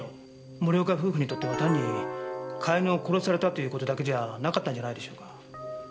森岡夫婦にとっては単に飼い犬を殺されたという事だけじゃなかったんじゃないでしょうか。